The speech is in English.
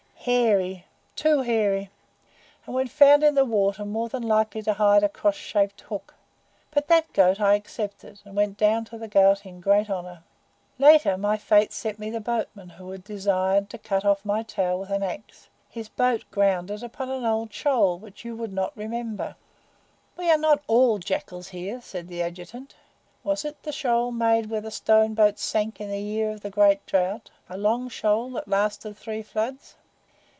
"Hairy too hairy, and when found in the water more than likely to hide a cross shaped hook. But that goat I accepted, and went down to the Ghaut in great honour. Later, my Fate sent me the boatman who had desired to cut off my tail with an axe. His boat grounded upon an old shoal which you would not remember." "We are not ALL jackals here," said the Adjutant. "Was it the shoal made where the stone boats sank in the year of the great drouth a long shoal that lasted three floods?"